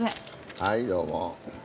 はいどうも。